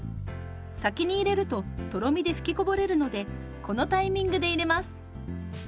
先に入れるととろみで吹きこぼれるのでこのタイミングで入れます。